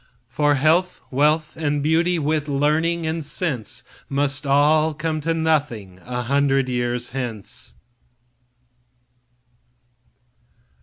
For health, wealth and beauty, wit, learning and sense, Must all come to nothing a hundred years hence.